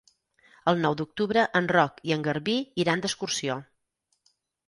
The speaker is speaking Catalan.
El nou d'octubre en Roc i en Garbí iran d'excursió.